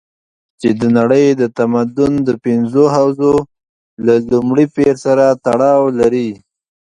چې د نړۍ د تمدن د پنځو حوزو له لومړي پېر سره تړاو لري.